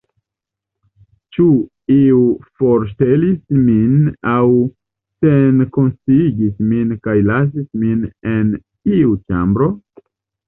Ĉu iu forŝtelis min aŭ senkonsciigis min kaj lasis min en iu ĉambro?